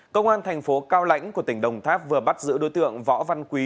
cơ quan thành phố cao lãnh của tỉnh đồng tháp vừa bắt giữ đối tượng võ văn quý